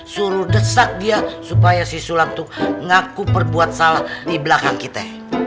suruh desak dia supaya si sulam tuh ngaku perbuat salah di belakang kita